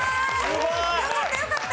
よかったよかった！